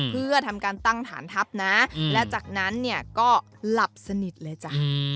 เพื่อทำการตั้งฐานทัพนะและจากนั้นเนี่ยก็หลับสนิทเลยจ้ะ